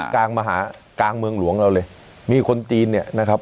กลางมหากลางเมืองหลวงเราเลยมีคนจีนเนี่ยนะครับ